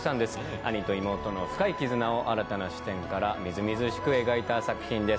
兄と妹の深い絆を新たな視点からみずみずしく描いた作品です。